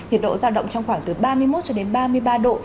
nhiệt độ giao động trong khoảng từ ba mươi một cho đến ba mươi ba độ